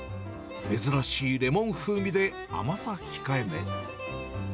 珍しいレモン風味で、甘さ控えめ。